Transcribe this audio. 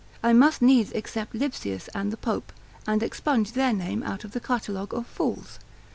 I must needs except Lipsius and the Pope, and expunge their name out of the catalogue of fools.